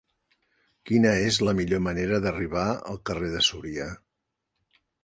Quina és la millor manera d'arribar al carrer de Súria?